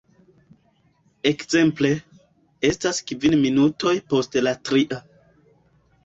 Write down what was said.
Ekzemple: "Estas kvin minutoj post la tria.